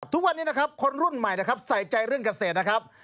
ทุกวันนี้นะครับคนรุ่นใหม่นะครับใส่ใจเรื่องเกษตรนะครับ